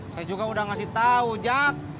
saya juga udah ngasih tahu ajak